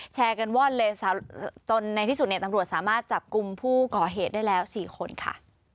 แชร์กันว่อนเลยจนในที่สุดเนี่ยตำรวจสามารถจับกลุ่มผู้ก่อเหตุได้แล้ว๔คนค่ะ